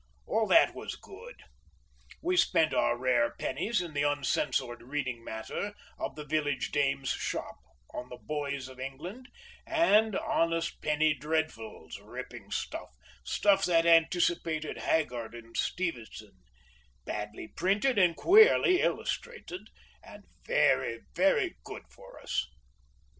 All that was good. We spent our rare pennies in the uncensored reading matter of the village dame's shop, on the Boys of England, and honest penny dreadfuls—ripping stuff, stuff that anticipated Haggard and Stevenson, badly printed and queerly illustrated, and very very good for us.